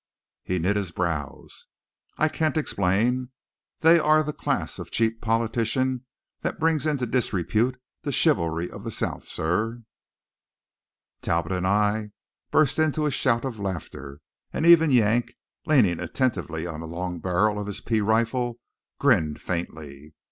He knit his brows. "I can't explain. They are the class of cheap politician that brings into disrepute the chivalry of the South, sir." Talbot and I burst into a shout of laughter, and even Yank, leaning attentively on the long barrel of his pea rifle, grinned faintly.